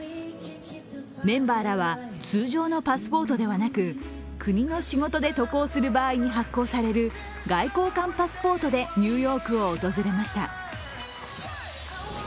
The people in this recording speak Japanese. メンバーらは、通常のパスポートではなく、国の仕事で渡航する場合に発行される外交官パスポートでニューヨークを訪れました。